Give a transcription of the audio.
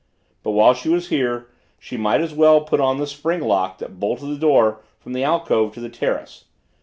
But, while she was here, she might as well put on the spring lock that bolted the door from the alcove to the terrace.